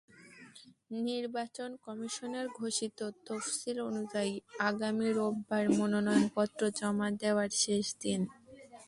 নির্বাচন কমিশনের ঘোষিত তফসিল অনুযায়ী আগামী রোববার মনোনয়নপত্র জমা দেওয়ার শেষ দিন।